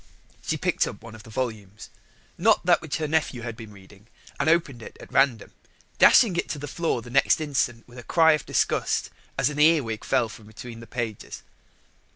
She picked up one of the volumes not that which her nephew had been reading and opened it at random, dashing it to the floor the next instant with a cry of disgust as a earwig fell from between the pages.